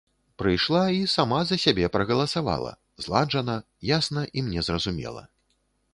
Прыйшла і сама за сябе прагаласавала, зладжана, ясна і мне зразумела.